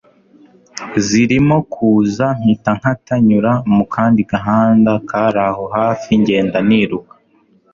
zirimo kuza mpita nkata nyura mukandi gahanda karaho hafi ngenda niruka